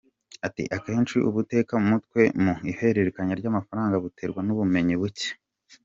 Ati “Akenshi ubutekamutwe mu ihererekanyamafanga buterwa n’ubumenyi buke.